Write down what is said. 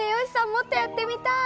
もっとやってみたい！